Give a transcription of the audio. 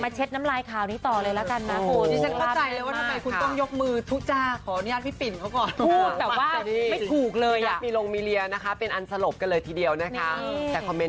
มาเช็ดน้ำลายขาวนี้ต่อแล้วกันนะคุณ